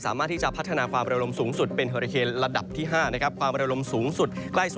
สามารถที่จะพัฒนาความประวัติภัณฑ์สูงสุด